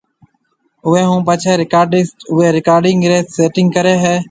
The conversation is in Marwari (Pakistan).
اوئي ھونپڇي رڪارڊسٽ اوئي رڪارڊنگ ري سيٽنگ ڪري ھيَََ